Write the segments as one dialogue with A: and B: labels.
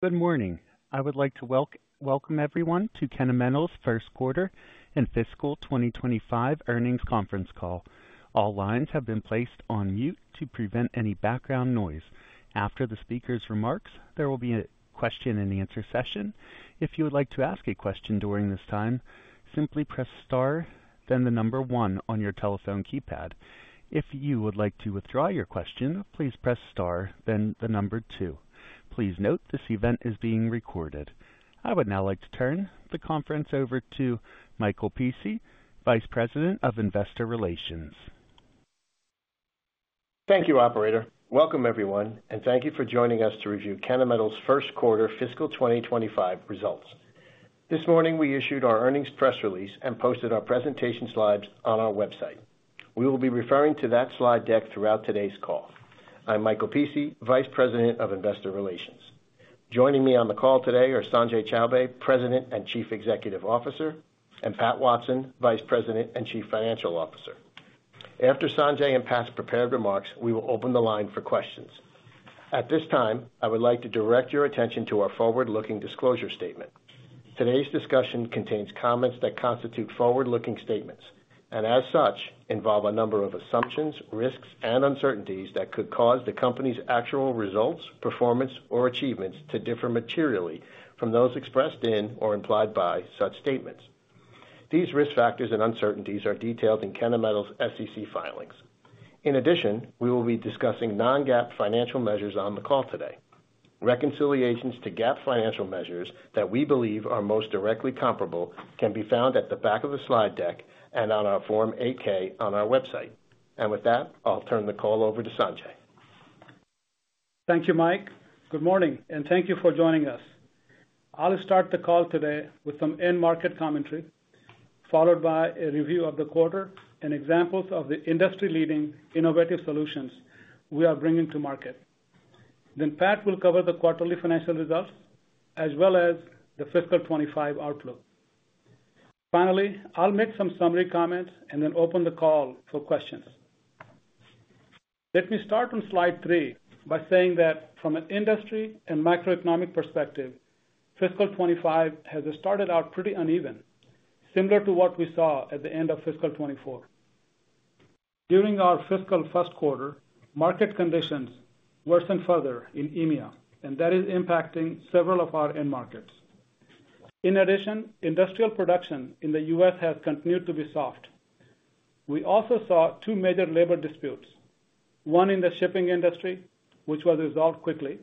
A: Good morning. I would like to welcome everyone to Kennametal's first quarter and fiscal 2025 earnings conference call. All lines have been placed on mute to prevent any background noise. After the speaker's remarks, there will be a question-and-answer session. If you would like to ask a question during this time, simply press star, then the number one on your telephone keypad. If you would like to withdraw your question, please press star, then the number two. Please note this event is being recorded. I would now like to turn the conference over to Michael Pici, Vice President of Investor Relations.
B: Thank you, Operator. Welcome, everyone, and thank you for joining us to review Kennametal's first quarter fiscal 2025 results. This morning, we issued our earnings press release and posted our presentation slides on our website. We will be referring to that slide deck throughout today's call. I'm Michael Pici, Vice President of Investor Relations. Joining me on the call today are Sanjay Chowbey, President and Chief Executive Officer, and Pat Watson, Vice President and Chief Financial Officer. After Sanjay and Pat's prepared remarks, we will open the line for questions. At this time, I would like to direct your attention to our forward-looking disclosure statement. Today's discussion contains comments that constitute forward-looking statements and, as such, involve a number of assumptions, risks, and uncertainties that could cause the company's actual results, performance, or achievements to differ materially from those expressed in or implied by such statements. These risk factors and uncertainties are detailed in Kennametal's SEC filings. In addition, we will be discussing Non-GAAP financial measures on the call today. Reconciliations to GAAP financial measures that we believe are most directly comparable can be found at the back of the slide deck and on our Form 8-K on our website. And with that, I'll turn the call over to Sanjay.
C: Thank you, Mike. Good morning, and thank you for joining us. I'll start the call today with some in-market commentary, followed by a review of the quarter and examples of the industry-leading innovative solutions we are bringing to market. Then Pat will cover the quarterly financial results as well as the fiscal 2025 outlook. Finally, I'll make some summary comments and then open the call for questions. Let me start on slide three by saying that from an industry and macroeconomic perspective, fiscal 2025 has started out pretty uneven, similar to what we saw at the end of fiscal 2024. During our fiscal first quarter, market conditions worsened further in EMEA, and that is impacting several of our end markets. In addition, industrial production in the U.S. has continued to be soft. We also saw two major labor disputes, one in the shipping industry, which was resolved quickly,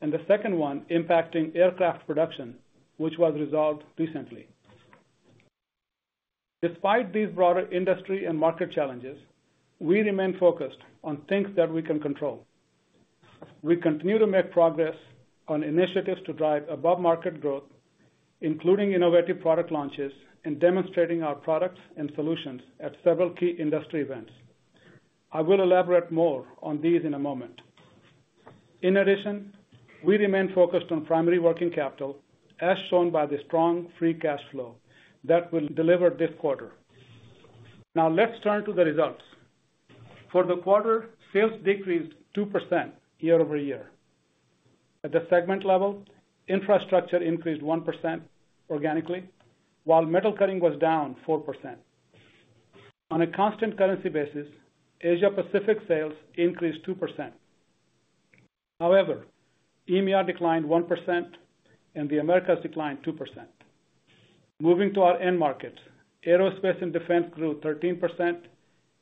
C: and the second one impacting aircraft production, which was resolved recently. Despite these broader industry and market challenges, we remain focused on things that we can control. We continue to make progress on initiatives to drive above-market growth, including innovative product launches and demonstrating our products and solutions at several key industry events. I will elaborate more on these in a moment. In addition, we remain focused on primary working capital, as shown by the strong free cash flow that we'll deliver this quarter. Now, let's turn to the results. For the quarter, sales decreased 2% year-over-year. At the segment level, infrastructure increased 1% organically, while metal cutting was down 4%. On a constant currency basis, Asia-Pacific sales increased 2%. However, EMEA declined 1%, and the Americas declined 2%. Moving to our end markets, aerospace and defense grew 13%,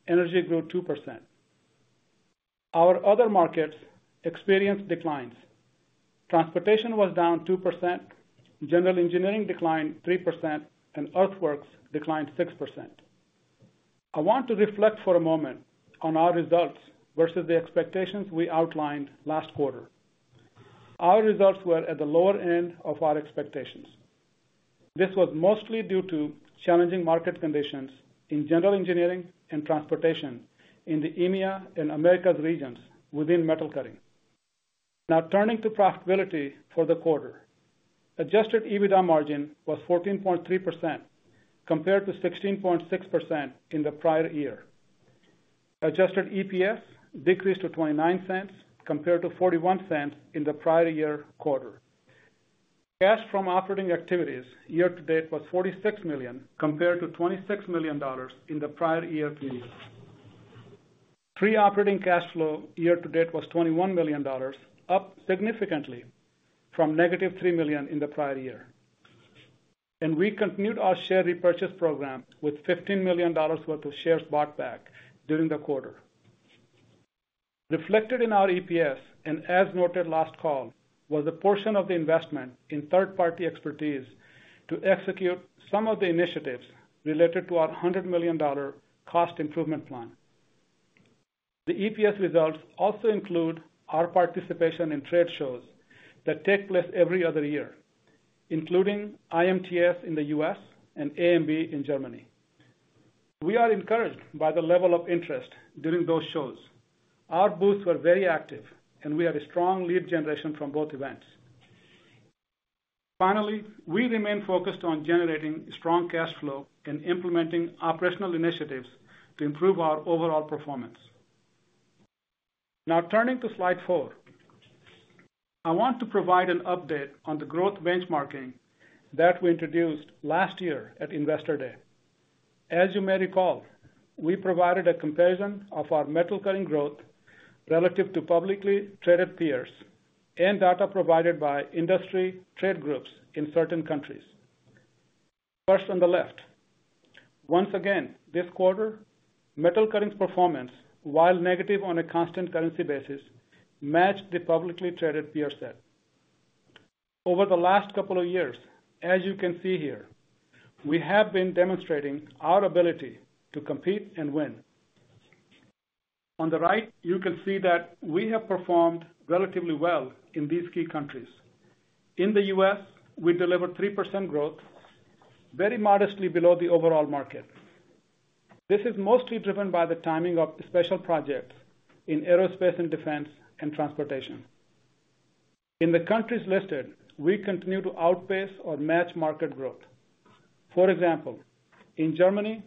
C: energy grew 2%. Our other markets experienced declines. Transportation was down 2%, general engineering declined 3%, and earthworks declined 6%. I want to reflect for a moment on our results versus the expectations we outlined last quarter. Our results were at the lower end of our expectations. This was mostly due to challenging market conditions in general engineering and transportation in the EMEA and Americas regions within metal cutting. Now, turning to profitability for the quarter, Adjusted EBITDA margin was 14.3% compared to 16.6% in the prior year. Adjusted EPS decreased to $0.29 compared to $0.41 in the prior year quarter. Cash from operating activities year-to-date was $46 million compared to $26 million in the prior year period. Free operating cash flow year-to-date was $21 million, up significantly from negative $3 million in the prior year. We continued our share repurchase program with $15 million worth of shares bought back during the quarter. Reflected in our EPS, and as noted last call, was a portion of the investment in third-party expertise to execute some of the initiatives related to our $100 million cost improvement plan. The EPS results also include our participation in trade shows that take place every other year, including IMTS in the U.S. and AMB in Germany. We are encouraged by the level of interest during those shows. Our booths were very active, and we had a strong lead generation from both events. Finally, we remain focused on generating strong cash flow and implementing operational initiatives to improve our overall performance. Now, turning to slide four, I want to provide an update on the growth benchmarking that we introduced last year at Investor Day. As you may recall, we provided a comparison of our metal cutting growth relative to publicly traded peers and data provided by industry trade groups in certain countries. First on the left, once again, this quarter, metal cutting performance, while negative on a constant currency basis, matched the publicly traded peer set. Over the last couple of years, as you can see here, we have been demonstrating our ability to compete and win. On the right, you can see that we have performed relatively well in these key countries. In the U.S., we delivered 3% growth, very modestly below the overall market. This is mostly driven by the timing of special projects in aerospace and defense and transportation. In the countries listed, we continue to outpace or match market growth. For example, in Germany,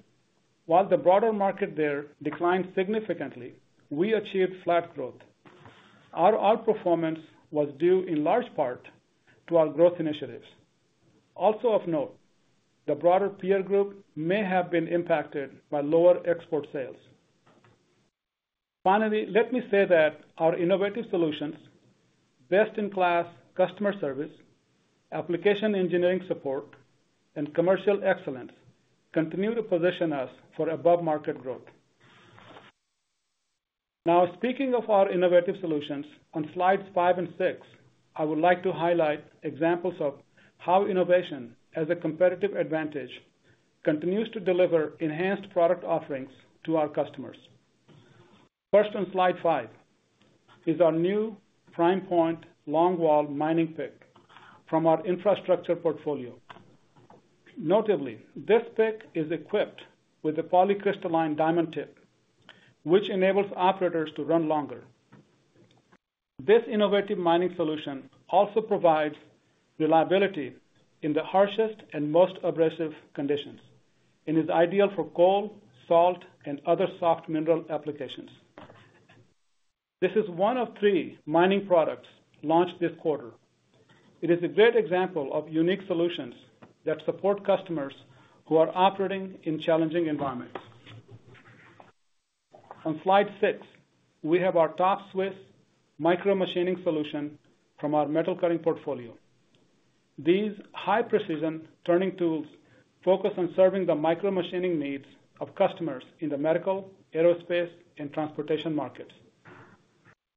C: while the broader market there declined significantly, we achieved flat growth. Our outperformance was due in large part to our growth initiatives. Also of note, the broader peer group may have been impacted by lower export sales. Finally, let me say that our innovative solutions, best-in-class customer service, application engineering support, and commercial excellence continue to position us for above-market growth. Now, speaking of our innovative solutions, on slides five and six, I would like to highlight examples of how innovation, as a competitive advantage, continues to deliver enhanced product offerings to our customers. First on slide five PrimePoint longwall mining pick from our infrastructure portfolio. Notably, this pick is equipped with a polycrystalline diamond tip, which enables operators to run longer. This innovative mining solution also provides reliability in the harshest and most abrasive conditions and is ideal for coal, salt, and other soft mineral applications. This is one of three mining products launched this quarter. It is a great example of unique solutions that support customers who are operating in challenging environments. On slide six, we have our Top Swiss micro-machining solution from our metal cutting portfolio. These high-precision turning tools focus on serving the micro-machining needs of customers in the medical, aerospace, and transportation markets.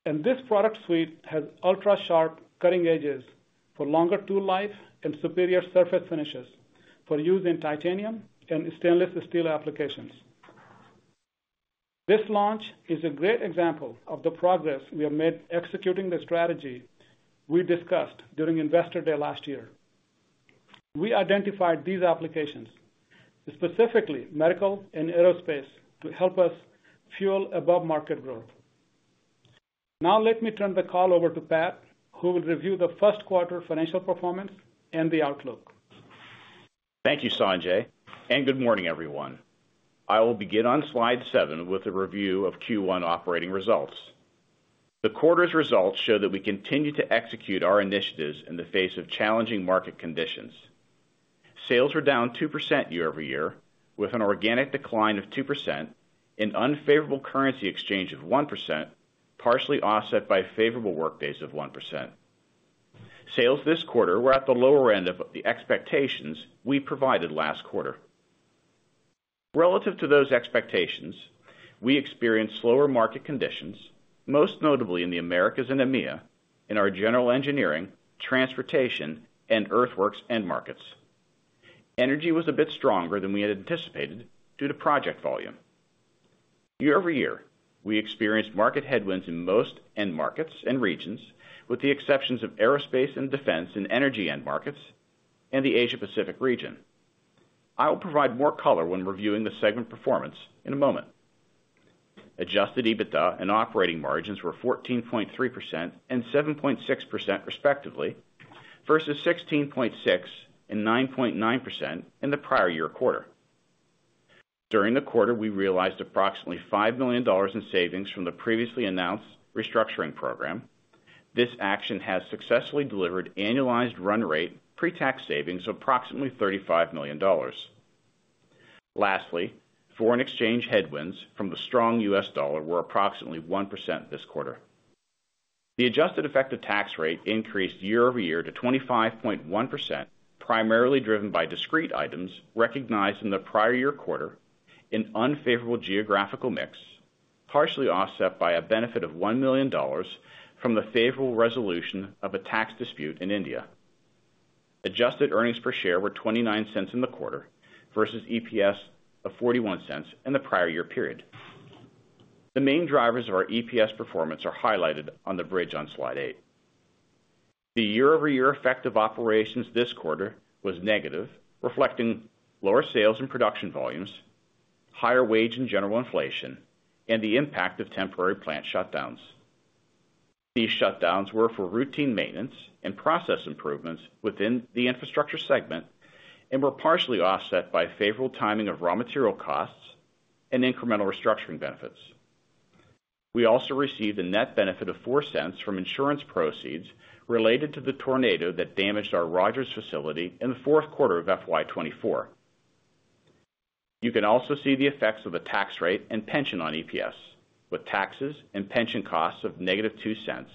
C: This product suite has ultra-sharp cutting edges for longer tool life and superior surface finishes for use in titanium and stainless steel applications. This launch is a great example of the progress we have made executing the strategy we discussed during Investor Day last year. We identified these applications, specifically medical and aerospace, to help us fuel above-market growth. Now, let me turn the call over to Pat, who will review the first quarter financial performance and the outlook.
D: Thank you, Sanjay, and good morning, everyone. I will begin on slide seven with a review of Q1 operating results. The quarter's results show that we continue to execute our initiatives in the face of challenging market conditions. Sales were down 2% year-over-year, with an organic decline of 2%, an unfavorable currency exchange of 1%, partially offset by favorable workdays of 1%. Sales this quarter were at the lower end of the expectations we provided last quarter. Relative to those expectations, we experienced slower market conditions, most notably in the Americas and EMEA in our general engineering, transportation, and earthworks end markets. Energy was a bit stronger than we had anticipated due to project volume. Year-over-year, we experienced market headwinds in most end markets and regions, with the exceptions of aerospace and defense and energy end markets and the Asia-Pacific region. I will provide more color when reviewing the segment performance in a moment. Adjusted EBITDA and operating margins were 14.3% and 7.6%, respectively, versus 16.6% and 9.9% in the prior year quarter. During the quarter, we realized approximately $5 million in savings from the previously announced restructuring program. This action has successfully delivered annualized run rate pre-tax savings of approximately $35 million. Lastly, foreign exchange headwinds from the strong U.S. dollar were approximately 1% this quarter. The adjusted effective tax rate increased year-over-year to 25.1%, primarily driven by discrete items recognized in the prior year quarter in unfavorable geographical mix, partially offset by a benefit of $1 million from the favorable resolution of a tax dispute in India. Adjusted earnings per share were $0.29 in the quarter versus EPS of $0.41 in the prior year period. The main drivers of our EPS performance are highlighted on the bridge on slide eight. The year-over-year effective operations this quarter was negative, reflecting lower sales and production volumes, higher wage and general inflation, and the impact of temporary plant shutdowns. These shutdowns were for routine maintenance and process improvements within the infrastructure segment and were partially offset by favorable timing of raw material costs and incremental restructuring benefits. We also received a net benefit of $0.04 from insurance proceeds related to the tornado that damaged our Rogers facility in the fourth quarter of FY 2024. You can also see the effects of the tax rate and pension on EPS, with taxes and pension costs of negative $0.02,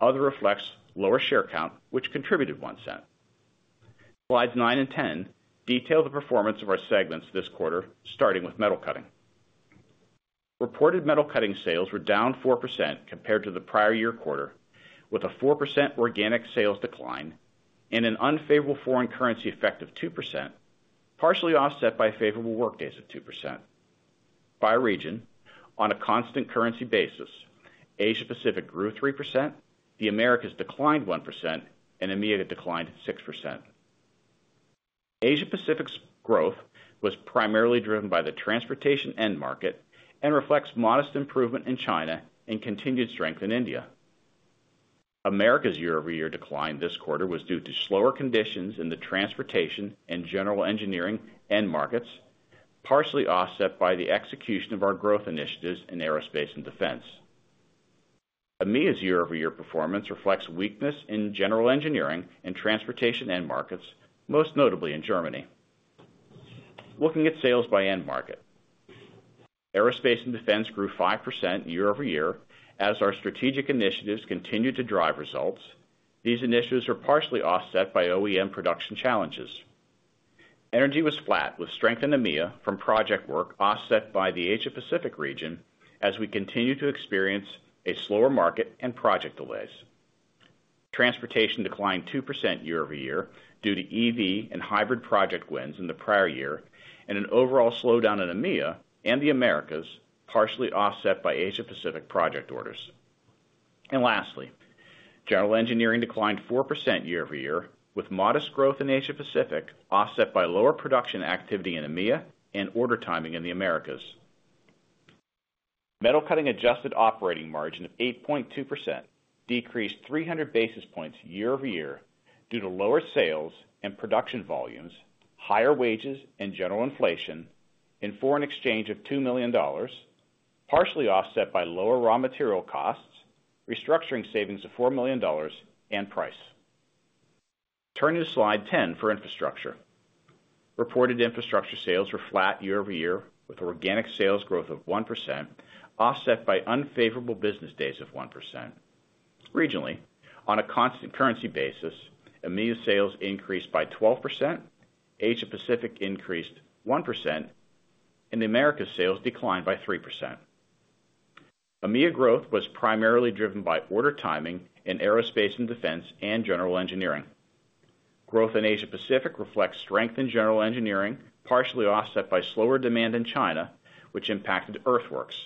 D: other reflects lower share count, which contributed $0.01. Slides nine and ten detail the performance of our segments this quarter, starting with metal cutting. Reported metal cutting sales were down 4% compared to the prior year quarter, with a 4% organic sales decline and an unfavorable foreign currency effect of 2%, partially offset by favorable workdays of 2%. By region, on a constant currency basis, Asia-Pacific grew 3%, the Americas declined 1%, and EMEA declined 6%. Asia-Pacific's growth was primarily driven by the transportation end market and reflects modest improvement in China and continued strength in India. Americas' year-over-year decline this quarter was due to slower conditions in the transportation and general engineering end markets, partially offset by the execution of our growth initiatives in aerospace and defense. EMEA's year-over-year performance reflects weakness in general engineering and transportation end markets, most notably in Germany. Looking at sales by end market, aerospace and defense grew 5% year-over-year as our strategic initiatives continued to drive results. These initiatives were partially offset by OEM production challenges. Energy was flat, with strength in EMEA from project work offset by the Asia-Pacific region as we continue to experience a slower market and project delays. Transportation declined 2% year-over-year due to EV and hybrid project wins in the prior year and an overall slowdown in EMEA and the Americas, partially offset by Asia-Pacific project orders. And lastly, general engineering declined 4% year-over-year, with modest growth in Asia-Pacific offset by lower production activity in EMEA and order timing in the Americas. Metal cutting adjusted operating margin of 8.2% decreased 300 basis points year-over-year due to lower sales and production volumes, higher wages and general inflation, and foreign exchange of $2 million, partially offset by lower raw material costs, restructuring savings of $4 million and price. Turning to slide 10 for infrastructure. Reported infrastructure sales were flat year-over-year, with organic sales growth of 1%, offset by unfavorable business days of 1%. Regionally, on a constant currency basis, EMEA sales increased by 12%, Asia-Pacific increased 1%, and the Americas sales declined by 3%. EMEA growth was primarily driven by order timing in aerospace and defense and general engineering. Growth in Asia-Pacific reflects strength in general engineering, partially offset by slower demand in China, which impacted earthworks.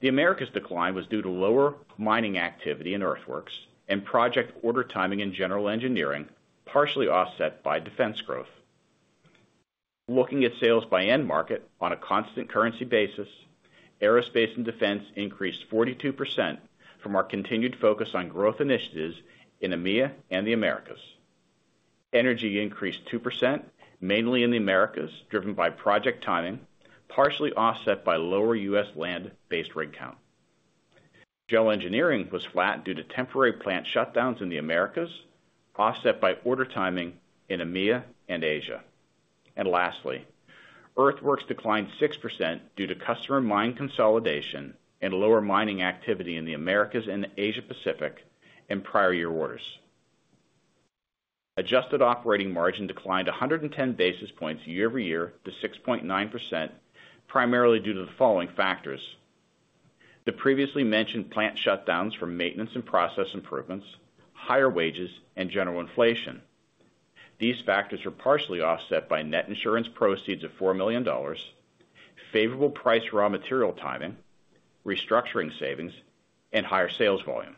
D: The Americas decline was due to lower mining activity in earthworks and project order timing in general engineering, partially offset by defense growth. Looking at sales by end market on a constant currency basis, aerospace and defense increased 42% from our continued focus on growth initiatives in EMEA and the Americas. Energy increased 2%, mainly in the Americas, driven by project timing, partially offset by lower U.S. land-based rig count. General engineering was flat due to temporary plant shutdowns in the Americas, offset by order timing in EMEA and Asia. And lastly, earthworks declined 6% due to customer mine consolidation and lower mining activity in the Americas and Asia-Pacific and prior year orders. Adjusted operating margin declined 110 basis points year-over-year to 6.9%, primarily due to the following factors: the previously mentioned plant shutdowns for maintenance and process improvements, higher wages, and general inflation. These factors were partially offset by net insurance proceeds of $4 million, favorable price raw material timing, restructuring savings, and higher sales volume.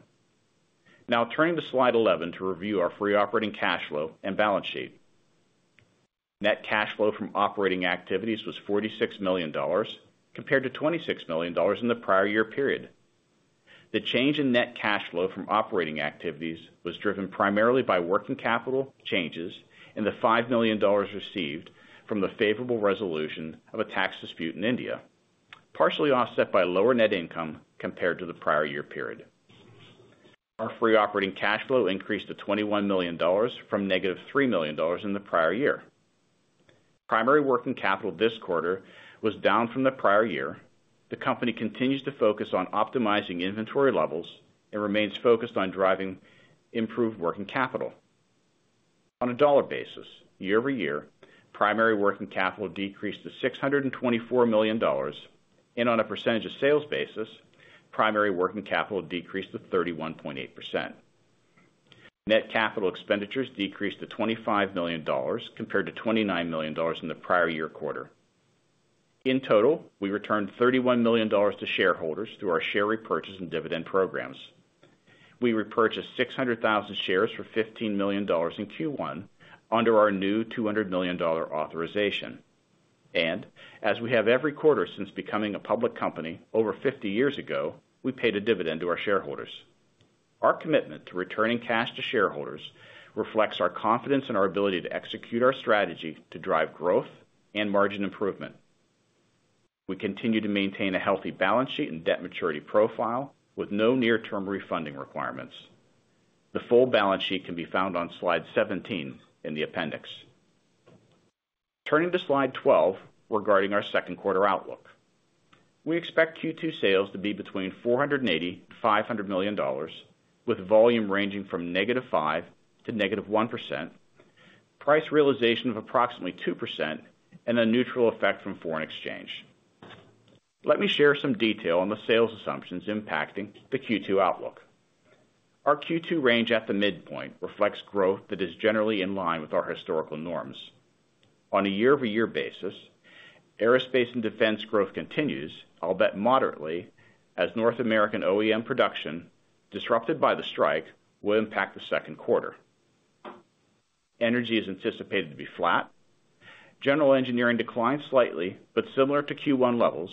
D: Now, turning to slide 11 to review our free operating cash flow and balance sheet. Net cash flow from operating activities was $46 million compared to $26 million in the prior year period. The change in net cash flow from operating activities was driven primarily by working capital changes and the $5 million received from the favorable resolution of a tax dispute in India, partially offset by lower net income compared to the prior year period. Our free operating cash flow increased to $21 million from negative $3 million in the prior year. primary working capital this quarter was down from the prior year. The company continues to focus on optimizing inventory levels and remains focused on driving improved working capital. On a dollar basis, year-over-year, primary working capital decreased to $624 million, and on a percentage of sales basis, primary working capital decreased to 31.8%. Net capital expenditures decreased to $25 million compared to $29 million in the prior year quarter. In total, we returned $31 million to shareholders through our share repurchase and dividend programs. We repurchased 600,000 shares for $15 million in Q1 under our new $200 million authorization, and as we have every quarter since becoming a public company over 50 years ago, we paid a dividend to our shareholders. Our commitment to returning cash to shareholders reflects our confidence in our ability to execute our strategy to drive growth and margin improvement. We continue to maintain a healthy balance sheet and debt maturity profile with no near-term refunding requirements. The full balance sheet can be found on slide 17 in the appendix. Turning to slide 12 regarding our second quarter outlook, we expect Q2 sales to be between $480 million-$500 million, with volume ranging from negative 5% to negative 1%, price realization of approximately 2%, and a neutral effect from foreign exchange. Let me share some detail on the sales assumptions impacting the Q2 outlook. Our Q2 range at the midpoint reflects growth that is generally in line with our historical norms. On a year-over-year basis, aerospace and defense growth continues, albeit moderately, as North American OEM production, disrupted by the strike, will impact the second quarter. Energy is anticipated to be flat. General engineering declined slightly, but similar to Q1 levels.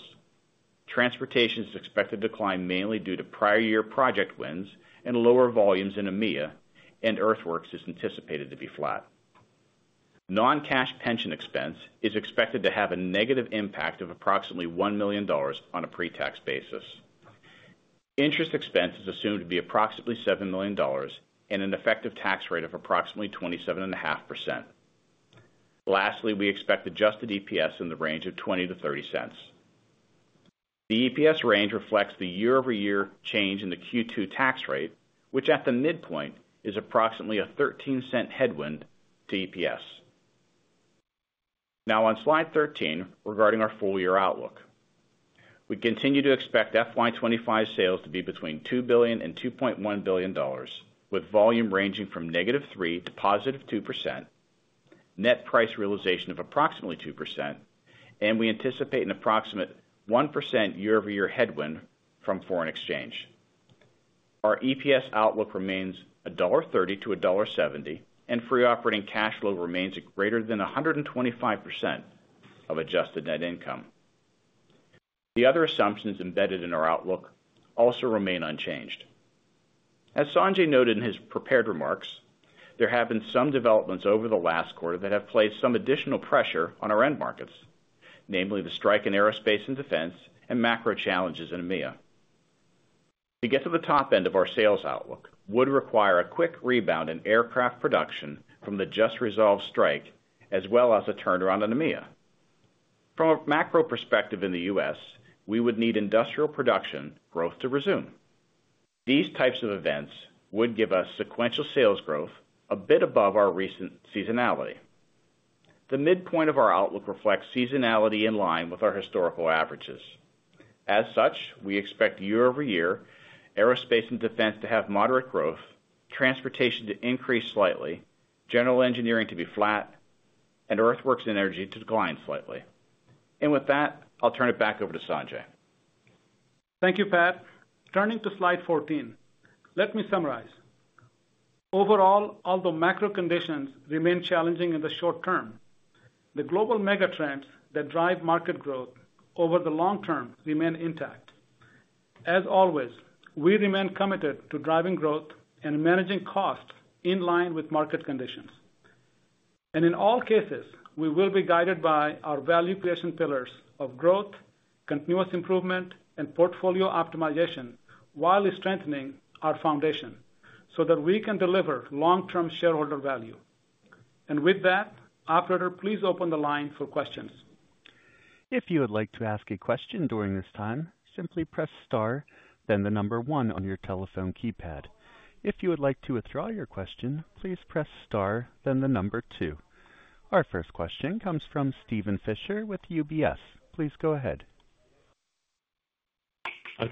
D: Transportation is expected to decline mainly due to prior year project wins and lower volumes in EMEA, and earthworks is anticipated to be flat. Non-cash pension expense is expected to have a negative impact of approximately $1 million on a pre-tax basis. Interest expense is assumed to be approximately $7 million and an effective tax rate of approximately 27.5%. Lastly, we expect Adjusted EPS in the range of $0.20-$0.30. The EPS range reflects the year-over-year change in the Q2 tax rate, which at the midpoint is approximately a $0.13 headwind to EPS. Now, on slide 13 regarding our full year outlook, we continue to expect FY 2025 sales to be between $2 billion-$2.1 billion, with volume ranging from -3% to +2%, net price realization of approximately 2%, and we anticipate an approximate 1% year-over-year headwind from foreign exchange. Our EPS outlook remains $1.30-$1.70, and free operating cash flow remains greater than 125% of adjusted net income. The other assumptions embedded in our outlook also remain unchanged. As Sanjay noted in his prepared remarks, there have been some developments over the last quarter that have placed some additional pressure on our end markets, namely the strike in aerospace and defense and macro challenges in EMEA. To get to the top end of our sales outlook would require a quick rebound in aircraft production from the just-resolved strike, as well as a turnaround in EMEA. From a macro perspective in the U.S., we would need industrial production growth to resume. These types of events would give us sequential sales growth a bit above our recent seasonality. The midpoint of our outlook reflects seasonality in line with our historical averages. As such, we expect year-over-year aerospace and defense to have moderate growth, transportation to increase slightly, general engineering to be flat, and earthworks and energy to decline slightly. And with that, I'll turn it back over to Sanjay.
C: Thank you, Pat. Turning to slide 14, let me summarize. Overall, although macro conditions remain challenging in the short term, the global megatrends that drive market growth over the long term remain intact. As always, we remain committed to driving growth and managing costs in line with market conditions, and in all cases, we will be guided by our value creation pillars of growth, continuous improvement, and portfolio optimization while strengthening our foundation so that we can deliver long-term shareholder value, and with that, Operator, please open the line for questions.
A: If you would like to ask a question during this time, simply press star, then the number one on your telephone keypad. If you would like to withdraw your question, please press star, then the number two. Our first question comes from Steven Fisher with UBS. Please go ahead.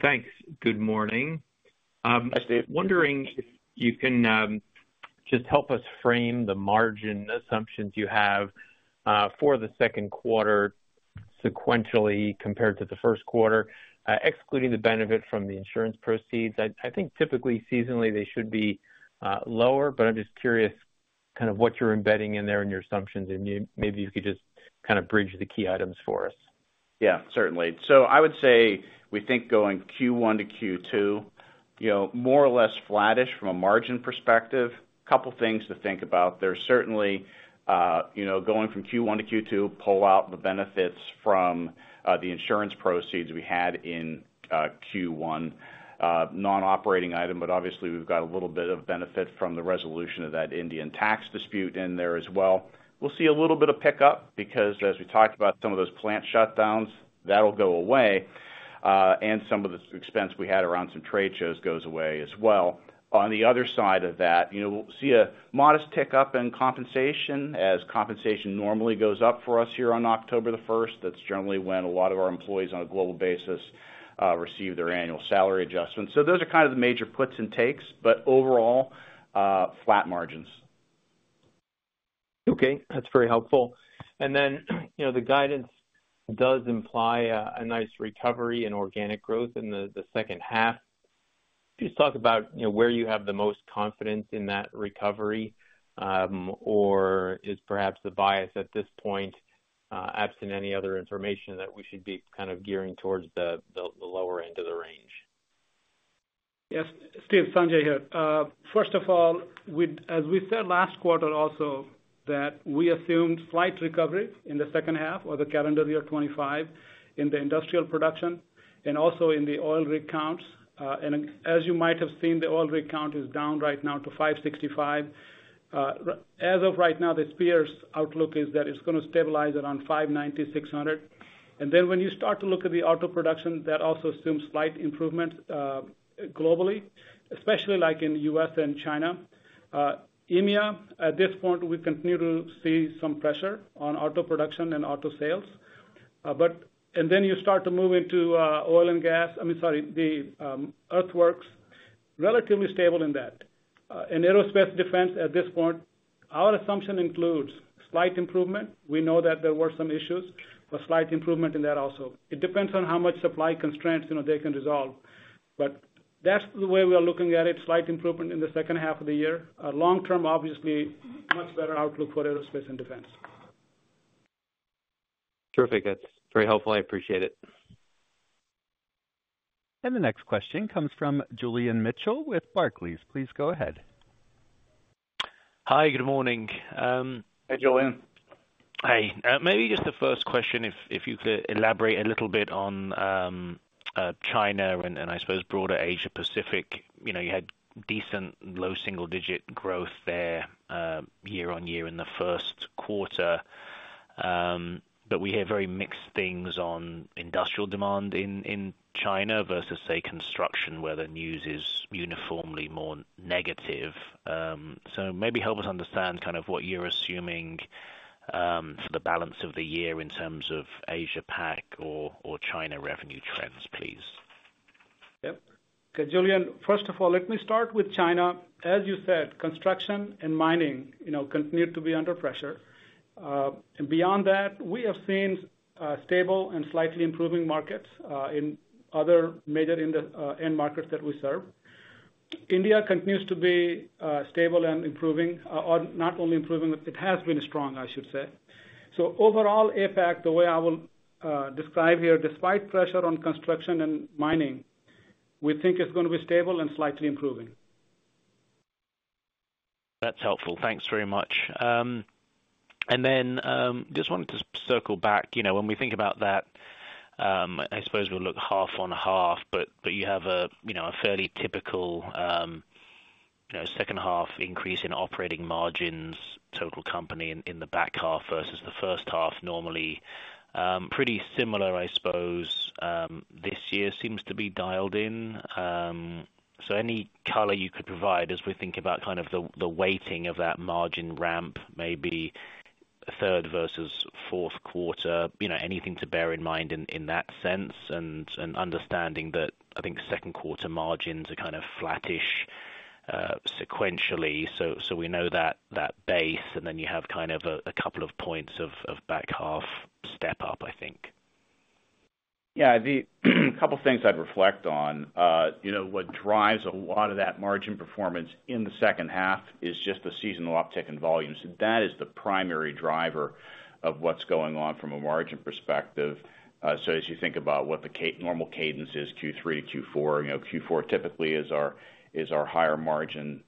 E: Thanks. Good morning. Wondering if you can just help us frame the margin assumptions you have for the second quarter sequentially compared to the first quarter, excluding the benefit from the insurance proceeds? I think typically seasonally they should be lower, but I'm just curious kind of what you're embedding in there and your assumptions, and maybe you could just kind of bridge the key items for us.
D: Yeah, certainly. So I would say we think going Q1 to Q2, more or less flattish from a margin perspective. A couple of things to think about. There's certainly going from Q1 to Q2, pull out the benefits from the insurance proceeds we had in Q1, non-operating item, but obviously we've got a little bit of benefit from the resolution of that Indian tax dispute in there as well. We'll see a little bit of pickup because as we talked about some of those plant shutdowns, that'll go away, and some of the expense we had around some trade shows goes away as well. On the other side of that, we'll see a modest pickup in compensation as compensation normally goes up for us here on October the 1st. That's generally when a lot of our employees on a global basis receive their annual salary adjustment. So those are kind of the major puts and takes, but overall, flat margins.
E: Okay. That's very helpful, and then the guidance does imply a nice recovery and organic growth in the second half. Please talk about where you have the most confidence in that recovery, or is perhaps the bias at this point absent any other information that we should be kind of gearing towards the lower end of the range.
C: Yes. Steve, Sanjay here. First of all, as we said last quarter also that we assumed slight recovery in the second half of the calendar year 2025 in the industrial production and also in the oil rig counts. As you might have seen, the oil rig count is down right now to 565. As of right now, the Spears outlook is that it's going to stabilize around 590-600. Then when you start to look at the auto production, that also assumes slight improvements globally, especially like in the U.S. and China. EMEA, at this point, we continue to see some pressure on auto production and auto sales. Then you start to move into oil and gas, I mean, sorry, the earthworks, relatively stable in that. Aerospace defense at this point, our assumption includes slight improvement. We know that there were some issues, but slight improvement in that also. It depends on how much supply constraints they can resolve. But that's the way we are looking at it: slight improvement in the second half of the year. Long term, obviously, much better outlook for aerospace and defense.
E: Terrific. That's very helpful. I appreciate it.
A: And the next question comes from Julian Mitchell with Barclays. Please go ahead.
F: Hi. Good morning.
D: Hey, Julian.
F: Hi. Maybe just the first question, if you could elaborate a little bit on China and I suppose broader Asia-Pacific. You had decent low single-digit growth there year-on-year in the first quarter, but we hear very mixed things on industrial demand in China versus, say, construction, where the news is uniformly more negative. So maybe help us understand kind of what you're assuming for the balance of the year in terms of Asia-Pac or China revenue trends, please.
C: Yep. Okay. Julian, first of all, let me start with China. As you said, construction and mining continue to be under pressure. And beyond that, we have seen stable and slightly improving markets in other major end markets that we serve. India continues to be stable and improving, or not only improving. It has been strong, I should say. So overall, APAC, the way I will describe here, despite pressure on construction and mining, we think it's going to be stable and slightly improving.
F: That's helpful. Thanks very much. And then just wanted to circle back. When we think about that, I suppose we'll look half on half, but you have a fairly typical second half increase in operating margins, total company in the back half versus the first half normally. Pretty similar, I suppose, this year seems to be dialed in. So any color you could provide as we think about kind of the weighting of that margin ramp, maybe third versus fourth quarter, anything to bear in mind in that sense and understanding that I think second quarter margins are kind of flattish sequentially. So we know that base, and then you have kind of a couple of points of back half step up, I think.
D: Yeah. A couple of things I'd reflect on. What drives a lot of that margin performance in the second half is just the seasonal uptick in volumes. That is the primary driver of what's going on from a margin perspective. So as you think about what the normal cadence is Q3 to Q4, Q4 typically is our higher margin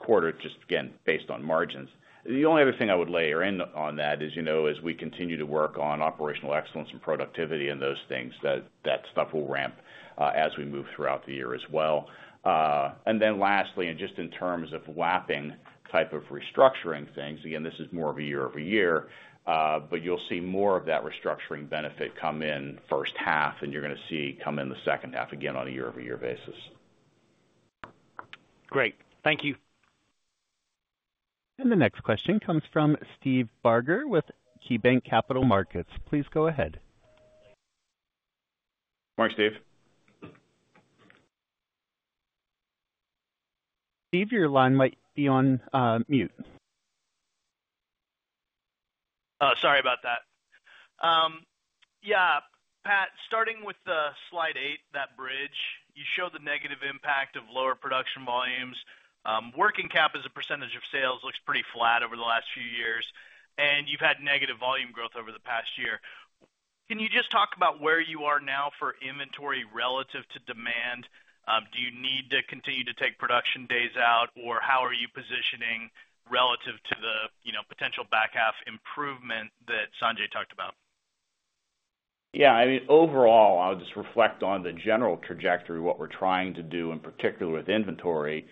D: quarter, just again, based on margins. The only other thing I would layer in on that is as we continue to work on operational excellence and productivity and those things, that stuff will ramp as we move throughout the year as well. And then lastly, and just in terms of wrapping type of restructuring things, again, this is more of a year-over-year, but you'll see more of that restructuring benefit come in first half, and you're going to see come in the second half again on a year-over-year basis.
F: Great. Thank you.
A: And the next question comes from Steve Barger with KeyBanc Capital Markets. Please go ahead.
D: Morning, Steve.
A: Steve, your line might be on mute.
G: Sorry about that. Yeah. Pat, starting with slide eight, that bridge, you show the negative impact of lower production volumes. Working cap as a percentage of sales looks pretty flat over the last few years, and you've had negative volume growth over the past year. Can you just talk about where you are now for inventory relative to demand? Do you need to continue to take production days out, or how are you positioning relative to the potential back half improvement that Sanjay talked about?
D: Yeah. I mean, overall, I'll just reflect on the general trajectory, what we're trying to do, and particularly with inventory,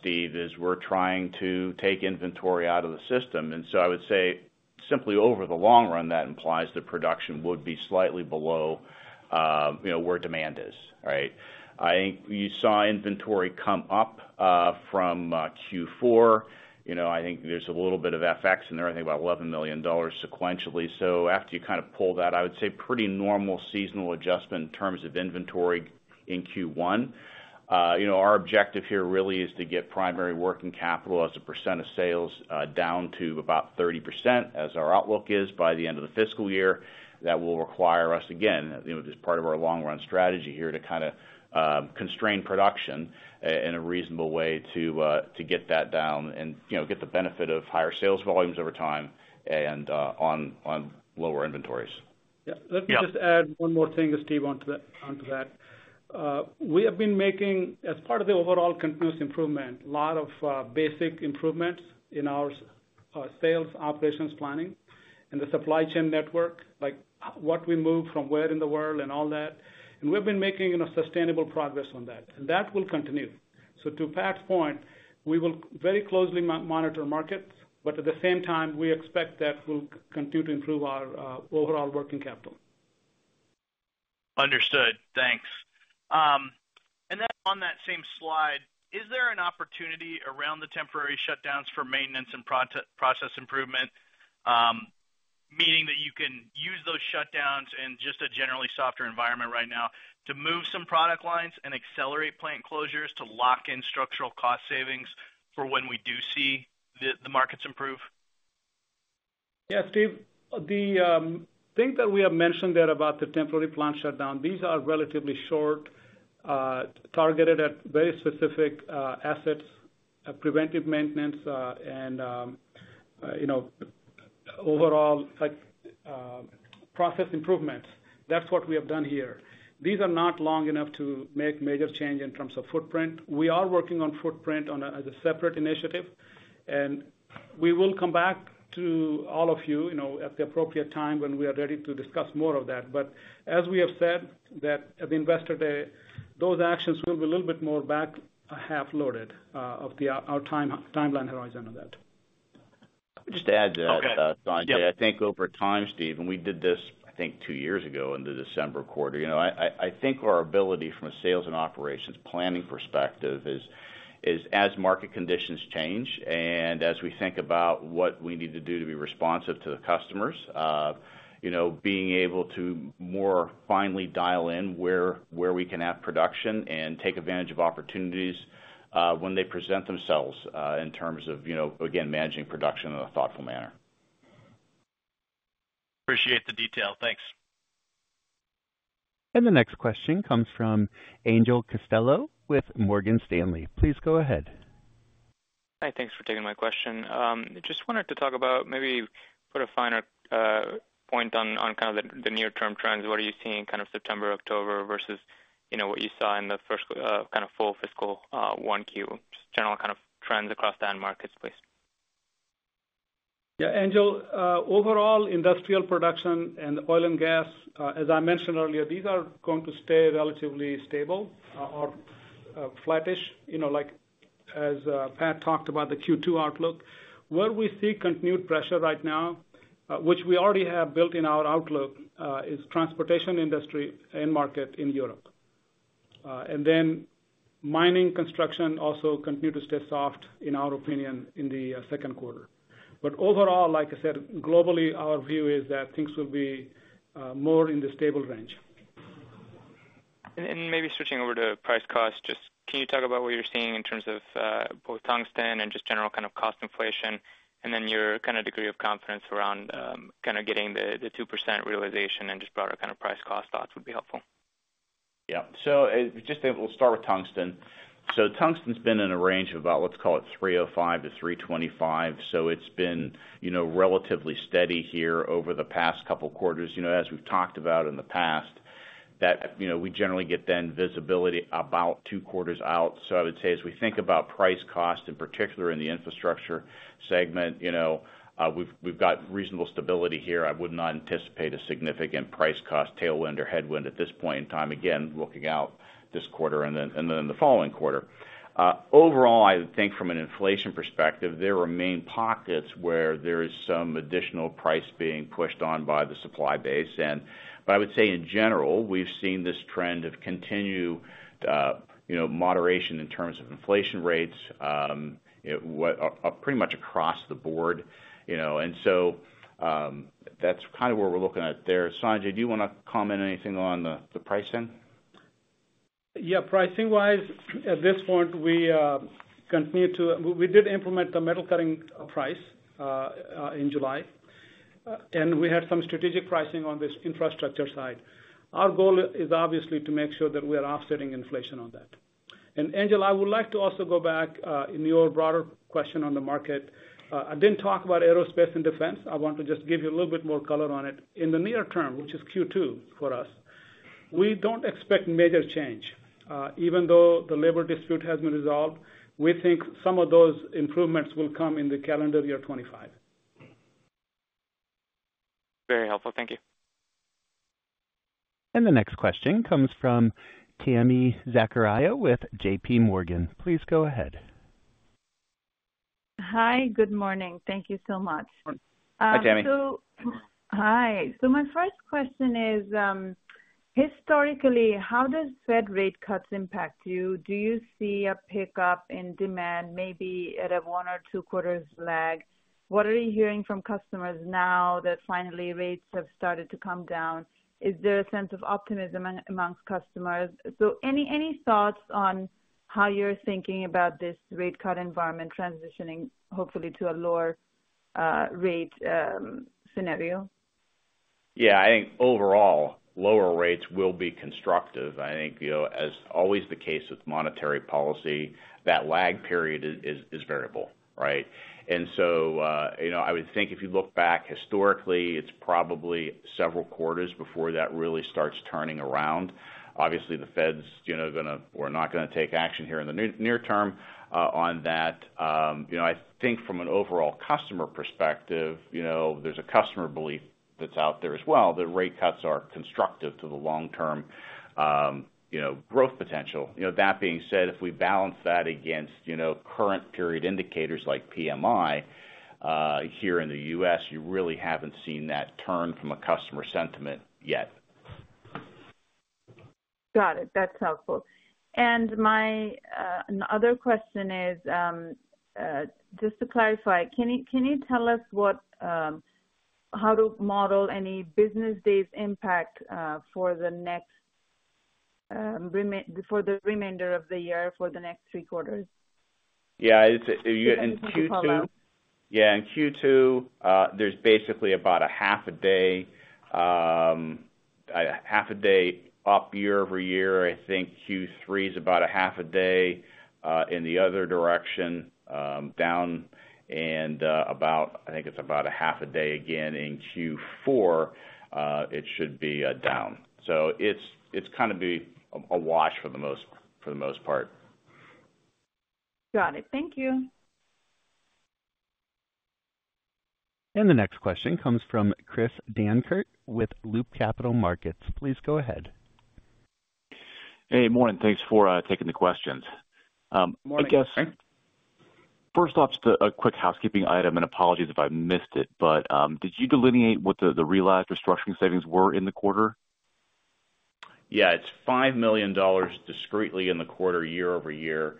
D: Steve, is we're trying to take inventory out of the system. And so I would say simply over the long run, that implies that production would be slightly below where demand is, right? I think you saw inventory come up from Q4. I think there's a little bit of FX in there, I think about $11 million sequentially. So after you kind of pull that, I would say pretty normal seasonal adjustment in terms of inventory in Q1. Our objective here really is to get primary working capital as a percent of sales down to about 30%, as our outlook is by the end of the fiscal year. That will require us, again, as part of our long-run strategy here to kind of constrain production in a reasonable way to get that down and get the benefit of higher sales volumes over time and on lower inventories.
C: Yeah. Let me just add one more thing to Steve onto that. We have been making, as part of the overall continuous improvement, a lot of basic improvements in our sales operations planning and the supply chain network, like what we move from where in the world and all that. And we've been making sustainable progress on that, and that will continue. So to Pat's point, we will very closely monitor markets, but at the same time, we expect that we'll continue to improve our overall working capital.
G: Understood. Thanks. And then on that same slide, is there an opportunity around the temporary shutdowns for maintenance and process improvement, meaning that you can use those shutdowns in just a generally softer environment right now to move some product lines and accelerate plant closures to lock in structural cost savings for when we do see the markets improve?
C: Yeah, Steve, the thing that we have mentioned there about the temporary plant shutdown, these are relatively short, targeted at very specific assets, preventive maintenance, and overall process improvements. That's what we have done here. These are not long enough to make major change in terms of footprint. We are working on footprint as a separate initiative, and we will come back to all of you at the appropriate time when we are ready to discuss more of that. But as we have said at the investor day, those actions will be a little bit more back half loaded of our timeline horizon on that.
D: Just to add to that, Sanjay, I think over time, Steve, and we did this, I think, two years ago in the December quarter, I think our ability from a sales and operations planning perspective is, as market conditions change and as we think about what we need to do to be responsive to the customers, being able to more finely dial in where we can have production and take advantage of opportunities when they present themselves in terms of, again, managing production in a thoughtful manner.
G: Appreciate the detail. Thanks.
A: And the next question comes from Angel Castillo with Morgan Stanley. Please go ahead.
H: Hi. Thanks for taking my question. Just wanted to talk about maybe put a finer point on kind of the near-term trends. What are you seeing kind of September, October versus what you saw in the first kind of full fiscal one Q? Just general kind of trends across that market space.
C: Yeah. Angel, overall industrial production and oil and gas, as I mentioned earlier, these are going to stay relatively stable or flattish. As Pat talked about the Q2 outlook, where we see continued pressure right now, which we already have built in our outlook, is transportation industry and market in Europe. And then mining, construction also continue to stay soft, in our opinion, in the second quarter. But overall, like I said, globally, our view is that things will be more in the stable range.
H: And maybe switching over to price cost, just can you talk about what you're seeing in terms of both tungsten and just general kind of cost inflation, and then your kind of degree of confidence around kind of getting the 2% realization and just broader kind of price cost thoughts would be helpful?
D: Yeah. So just we'll start with tungsten. So tungsten's been in a range of about, let's call it 305-325. So it's been relatively steady here over the past couple of quarters. As we've talked about in the past, that we generally get then visibility about two quarters out. So I would say as we think about price cost, in particular in the infrastructure segment, we've got reasonable stability here. I would not anticipate a significant price cost tailwind or headwind at this point in time, again, looking out this quarter and then the following quarter. Overall, I think from an inflation perspective, there are main pockets where there is some additional price being pushed on by the supply base. But I would say in general, we've seen this trend of continued moderation in terms of inflation rates pretty much across the board. And so that's kind of where we're looking at there. Sanjay, do you want to comment anything on the pricing?
C: Yeah. Pricing-wise, at this point, we did implement the metal cutting price in July, and we had some strategic pricing on this infrastructure side. Our goal is obviously to make sure that we are offsetting inflation on that. And Angel, I would like to also go back in your broader question on the market. I didn't talk about aerospace and defense. I want to just give you a little bit more color on it. In the near term, which is Q2 for us, we don't expect major change. Even though the labor dispute has been resolved, we think some of those improvements will come in the calendar year 2025.
H: Very helpful. Thank you.
A: And the next question comes from Tami Zakaria with J.P. Morgan. Please go ahead.
I: Hi. Good morning. Thank you so much.
D: Hi, Tami.
I: Hi. So my first question is, historically, how does Fed rate cuts impact you? Do you see a pickup in demand, maybe at a one- or two-quarters lag? What are you hearing from customers now that finally rates have started to come down? Is there a sense of optimism amongst customers? So any thoughts on how you're thinking about this rate cut environment transitioning, hopefully, to a lower rate scenario?
D: Yeah. I think overall, lower rates will be constructive. I think, as always the case with monetary policy, that lag period is variable, right? And so I would think if you look back historically, it's probably several quarters before that really starts turning around. Obviously, the Fed's going to or not going to take action here in the near term on that. I think from an overall customer perspective, there's a customer belief that's out there as well that rate cuts are constructive to the long-term growth potential. That being said, if we balance that against current period indicators like PMI here in the U.S., you really haven't seen that turn from a customer sentiment yet.
I: Got it. That's helpful. And my other question is, just to clarify, can you tell us how to model any business days impact for the remainder of the year for the next three quarters?
D: Yeah. In Q2, yeah, in Q2, there's basically about a half a day, half a day up year-over-year. I think Q3 is about a half a day in the other direction down, and I think it's about a half a day again in Q4, it should be down. So it's kind of a wash for the most part.
I: Got it. Thank you.
A: And the next question comes from Chris Dankert with Loop Capital Markets. Please go ahead.
J: Hey, morning. Thanks for taking the questions.
D: Morning.
J: First off, just a quick housekeeping item and apologies if I missed it, but did you delineate what the Latrobe restructuring savings were in the quarter?
D: Yeah. It's a $5 million decrease in the quarter year-over-year.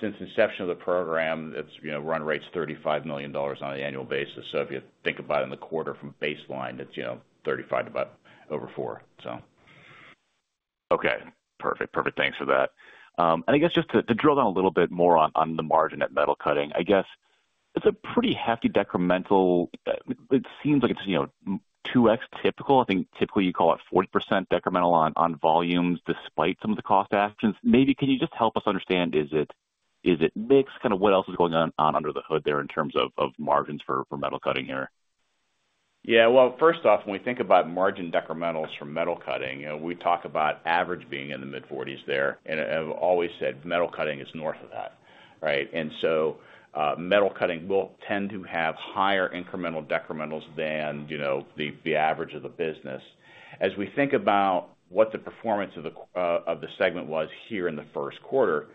D: Since inception of the program, run rate's $35 million on an annual basis. So if you think about it in the quarter from baseline, it's 35 to about over 4, so.
J: Okay. Perfect. Perfect. Thanks for that. And I guess just to drill down a little bit more on the margin at metal cutting, I guess it's a pretty hefty decremental. It seems like it's 2X typical. I think typically you call it 40% decremental on volumes despite some of the cost actions. Maybe can you just help us understand, is it mixed? Kind of what else is going on under the hood there in terms of margins for metal cutting here?
D: Yeah. Well, first off, when we think about margin decrementals for metal cutting, we talk about average being in the mid-40s there. I've always said metal cutting is north of that, right? And so metal cutting will tend to have higher incremental decrementals than the average of the business. As we think about what the performance of the segment was here in the first quarter,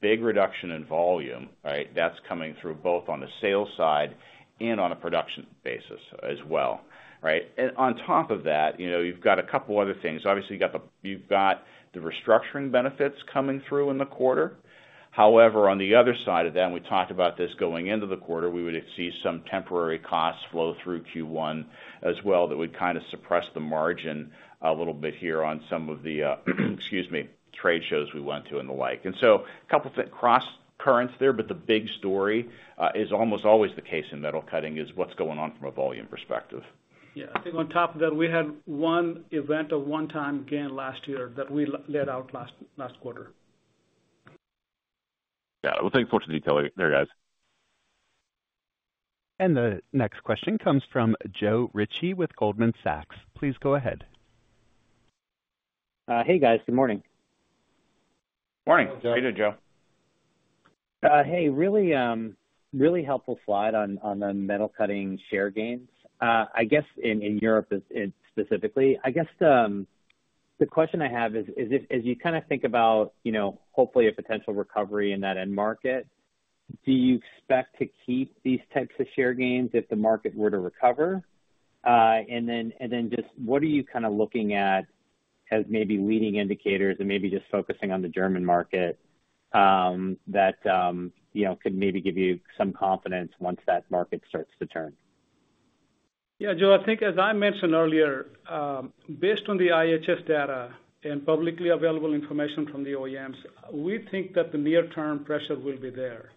D: big reduction in volume, right? That's coming through both on the sales side and on a production basis as well, right? And on top of that, you've got a couple of other things. Obviously, you've got the restructuring benefits coming through in the quarter. However, on the other side of that, and we talked about this going into the quarter, we would see some temporary costs flow through Q1 as well that would kind of suppress the margin a little bit here on some of the, excuse me, trade shows we went to and the like. And so a couple of cross currents there, but the big story is, almost always the case in metal cutting, is what's going on from a volume perspective.
C: Yeah. I think on top of that, we had a one-time event again last year that we lapped last quarter.
D: Yeah. We'll take a portion of the detail there, guys.
A: The next question comes from Joe Ritchie with Goldman Sachs. Please go ahead.
K: Hey, guys. Good morning.
D: Morning. How are you doing, Joe?
K: Hey. Really helpful slide on the metal cutting share gains. I guess in Europe specifically, I guess the question I have is, as you kind of think about hopefully a potential recovery in that end market, do you expect to keep these types of share gains if the market were to recover? And then just what are you kind of looking at as maybe leading indicators and maybe just focusing on the German market that could maybe give you some confidence once that market starts to turn?
C: Yeah. Joe, I think as I mentioned earlier, based on the IHS data and publicly available information from the OEMs, we think that the near-term pressure will be there.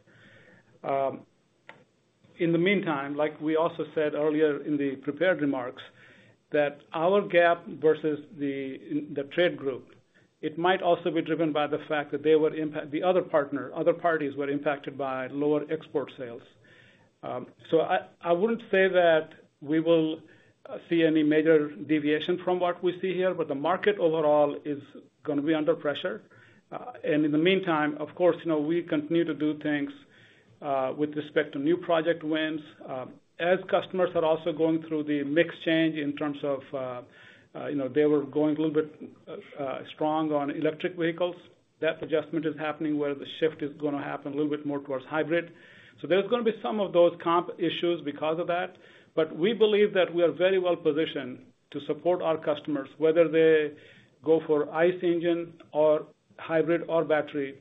C: In the meantime, like we also said earlier in the prepared remarks, that our gap versus the trade group, it might also be driven by the fact that the other partners, other parties were impacted by lower export sales. So I wouldn't say that we will see any major deviation from what we see here, but the market overall is going to be under pressure. And in the meantime, of course, we continue to do things with respect to new project wins. As customers are also going through the mix change in terms of they were going a little bit strong on electric vehicles. That adjustment is happening where the shift is going to happen a little bit more towards hybrid. So there's going to be some of those comp issues because of that. But we believe that we are very well positioned to support our customers, whether they go for ICE engine or hybrid or battery,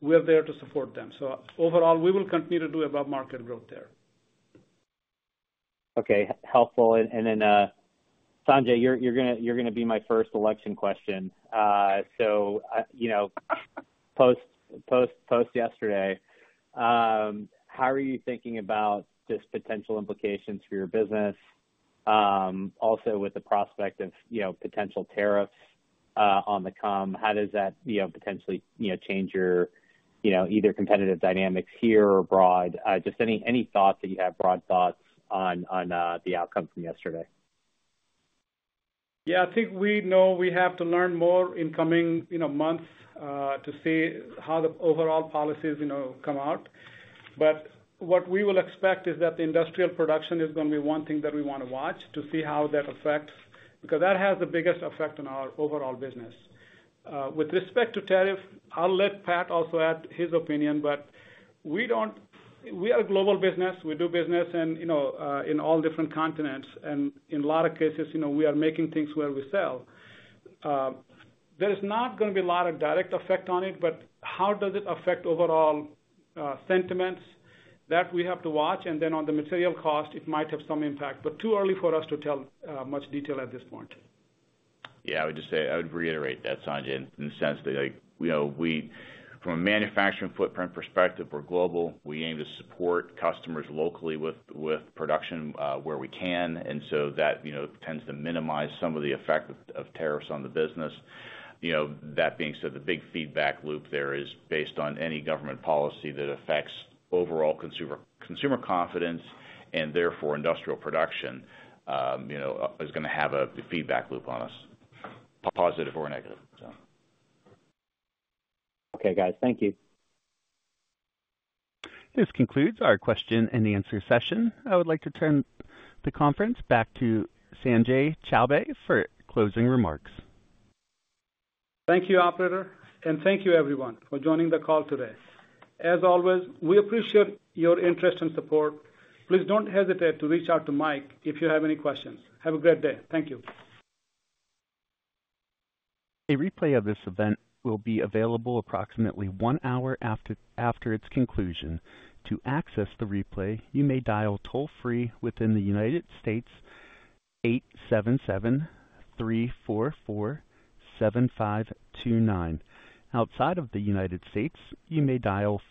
C: we're there to support them. So overall, we will continue to do above market growth there.
K: Okay. Helpful. And then, Sanjay, you're going to be my first election question. So post yesterday, how are you thinking about just potential implications for your business, also with the prospect of potential tariffs on the come? How does that potentially change your either competitive dynamics here or abroad? Just any thoughts that you have, broad thoughts on the outcome from yesterday.
C: Yeah. I think we know we have to learn more in coming months to see how the overall policies come out. But what we will expect is that the industrial production is going to be one thing that we want to watch to see how that affects because that has the biggest effect on our overall business. With respect to tariff, I'll let Pat also add his opinion, but we are a global business. We do business in all different continents. And in a lot of cases, we are making things where we sell. There is not going to be a lot of direct effect on it, but how does it affect overall sentiments? That we have to watch. And then on the material cost, it might have some impact, but too early for us to tell much detail at this point.
D: Yeah. I would reiterate that, Sanjay, in the sense that from a manufacturing footprint perspective, we're global. We aim to support customers locally with production where we can. And so that tends to minimize some of the effect of tariffs on the business. That being said, the big feedback loop there is based on any government policy that affects overall consumer confidence, and therefore industrial production is going to have a feedback loop on us, positive or negative, so.
K: Okay, guys. Thank you.
A: This concludes our question-and-answer session. I would like to turn the conference back to Sanjay Chowbey for closing remarks.
C: Thank you, operator. And thank you, everyone, for joining the call today. As always, we appreciate your interest and support. Please don't hesitate to reach out to Mike if you have any questions. Have a great day. Thank you.
A: A replay of this event will be available approximately one hour after its conclusion. To access the replay, you may dial toll-free within the United States, 877-344-7529. Outside of the United States, you may dial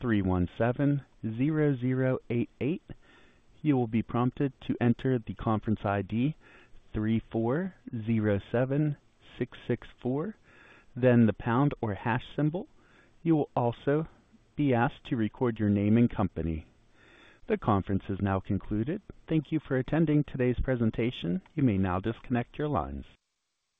A: 412-317-0088. You will be prompted to enter the conference ID, 3407664, then the pound or hash symbol. You will also be asked to record your name and company. The conference is now concluded. Thank you for attending today's presentation. You may now disconnect your lines.